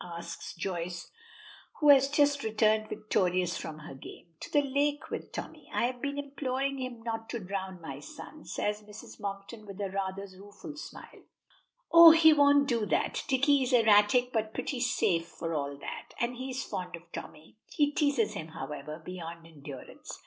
asks Joyce, who has just returned victorious from her game. "To the lake with Tommy. I have been imploring him not to drown my son," says Mrs. Monkton with a rather rueful smile. "Oh, he won't do that. Dicky is erratic, but pretty safe, for all that. And he is fond of Tommy." "He teases him, however, beyond endurance."